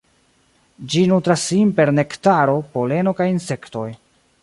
Ĝi nutras sin per nektaro, poleno kaj insektoj.